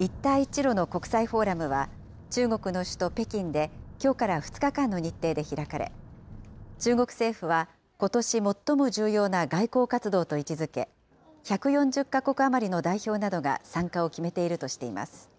一帯一路の国際フォーラムは、中国の首都北京で、きょうから２日間の日程で開かれ、中国政府は、ことし最も重要な外交活動と位置づけ、１４０か国余りの代表などが参加を決めているとしています。